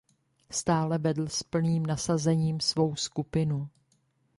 Stále vedl s plným nasazením svou skupinu.